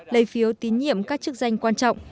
lấy phiếu tín nhiệm các chức danh quan trọng